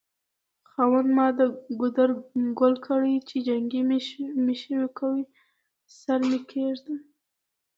خاونده ما دګودر ګل کړی چې جنکي مې شوکوی سرکې مې ږد ينه